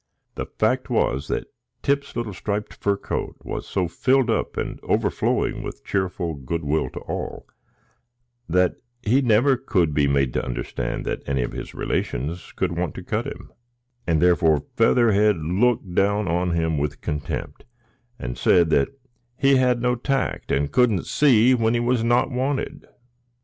The fact was, that Tip's little striped fur coat was so filled up and overflowing with cheerful good will to all, that he never could be made to understand that any of his relations could want to cut him; and therefore Featherhead looked down on him with contempt, and said he had no tact, and couldn't see when he was not wanted.